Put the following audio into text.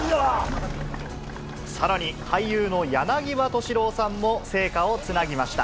さらに、俳優の柳葉敏郎さんも聖火をつなぎました。